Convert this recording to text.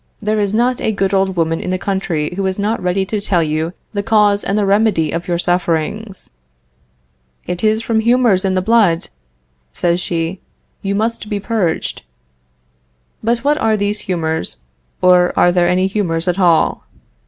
There is not a good old woman in the country who is not ready to tell you the cause and the remedy of your sufferings. "It is from humors in the blood," says she, "you must be purged." But what are these humors, or are there any humors at all?